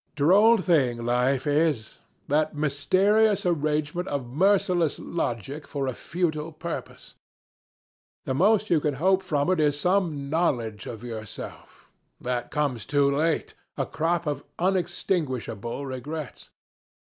Droll thing life is that mysterious arrangement of merciless logic for a futile purpose. The most you can hope from it is some knowledge of yourself that comes too late a crop of unextinguishable regrets.